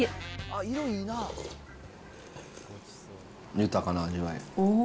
豊かな味わい。